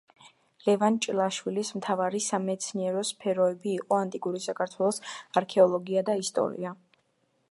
ლევან ჭილაშვილის მთავარი სამეცნიერო სფეროები იყო ანტიკური საქართველოს არქეოლოგია და ისტორია.